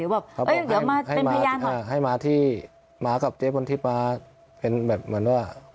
โดยเดียวมาเป็นพยาน